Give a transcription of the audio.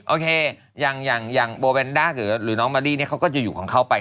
โอเคอย่างโบแวนด้าหรือน้องมะลี่เนี่ยเขาก็จะอยู่ของเขาไป